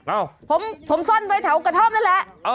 เอ้าผมผมซ่อนไปแถวอุกฏธรรมนั่นแหละอ๋อ